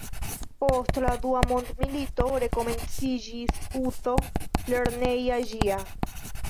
Post la Dua mondmilito rekomenciĝis uzo lerneja ĝia.